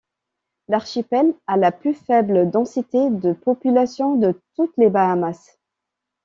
L'archipel a la plus faible densité de population de toutes les Bahamas.